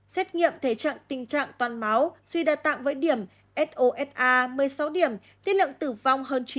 xét nghiệm thể trạng tình trạng toàn máu suy đa tạng với điểm sofa một mươi sáu điểm tiết lượng tử vong hơn chín